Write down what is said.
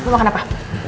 mau makan apa